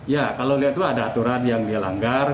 ya kalau lihat itu ada aturan yang dia langgar